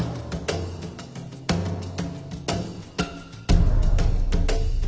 เก้าชีวิตหรือเราให้เจ้าของโน้น